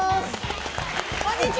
こんにちは！